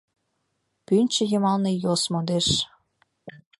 Пӱнчӧ йымалне йос модеш.